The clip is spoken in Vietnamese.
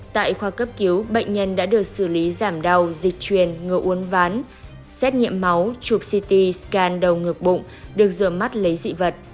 tại khoa cấp cứu bệnh nhân đã được xử lý giảm đau dịch truyền ngừa uốn ván xét nghiệm máu chụp ct scan đầu ngược bụng được rửa mắt lấy dị vật